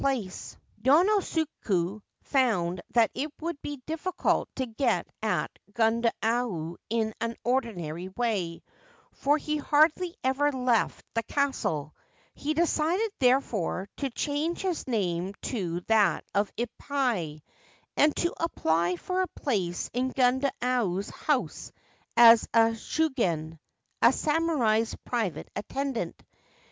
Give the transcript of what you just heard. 337 43 Ancient Tales and Folklore of Japan Yonosuke found that it would be difficult to get at Gundayu in an ordinary way, for he hardly ever left the castle. He decided, therefore, to change his name to that of Ippai, and to apply for a place in Gundayu's house as a chugen (a samurai's private attendant).